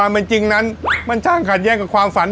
ได้เลยโอ๊ย